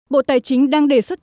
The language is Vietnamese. bộ tài chính đang đề xuất